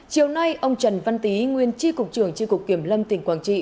chiều nay ông trần văn tý nguyên chi cục trưởng chi cục kiểm lâm tỉnh quảng trị